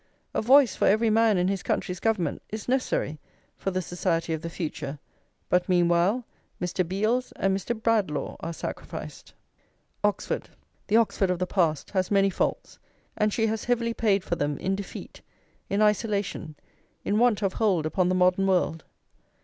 A voice for every man in his country's government is necessary for the society of the future, but meanwhile Mr. Beales and Mr. Bradlaugh are sacrificed. Oxford, the Oxford of the past, has many faults; and she has heavily paid for them in defeat, in isolation, in want of hold upon the modern world.